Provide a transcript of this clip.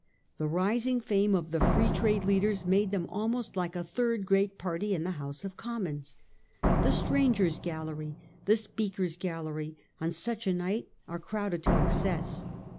The rising fame of the Free Trade leaders made them almost like a third great party in the House of Commons. The strangers' gallery, the Speaker's gallery on such a Bight are crowded to excess.